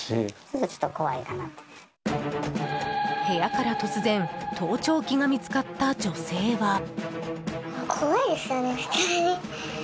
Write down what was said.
部屋から突然盗聴器が見つかった女性は。